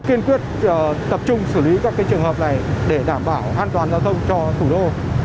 kiên quyết tập trung xử lý các trường hợp này để đảm bảo an toàn giao thông cho thủ đô